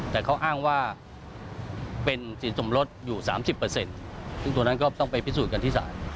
แต่เขาอ้างว่าเป็นสินสมรสอยู่๓๐ซึ่งตัวนั้นก็ต้องไปพิสูจน์กันที่ศาล